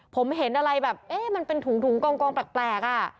ผมเห็นอะไรแบบเอ๊ะมันเป็นถุงกองแปลกอ่ะ